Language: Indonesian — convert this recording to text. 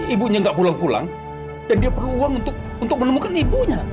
ibunya nggak pulang pulang dan dia perlu uang untuk menemukan ibunya